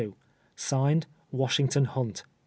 (Signed,) "WASHINGTON HUNT.